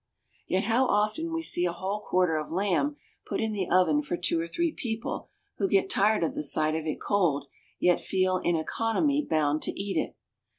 Yet how often we see a whole quarter of lamb put in the oven for two or three people who get tired of the sight of it cold, yet feel in economy bound to eat it.